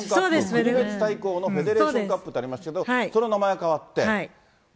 国別対抗のフェデレーションカップってありますけど、その名前が変わって。